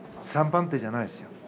３番手じゃないですよ。